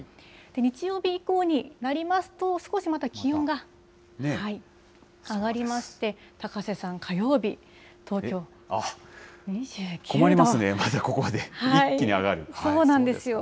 日曜日以降になりますと、少しまた気温が上がりまして、高瀬さん、火曜日、東京、困りますね。